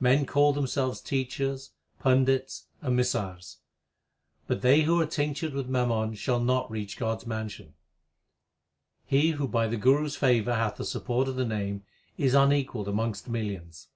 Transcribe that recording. Men call themselves Teachers, Pandits, and Missars ; l But they who are tinctured with mammon shall not reach God s mansion. He who by the Guru s favour hath the support of the Name, Is unequalled amongst millions.